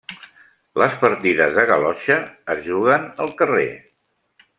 Les partides de galotxa es juguen al carrer.